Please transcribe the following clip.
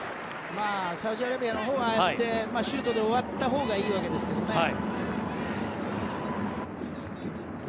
サウジアラビアのほうはああやってシュートで終わったほうがいいわけですけどね。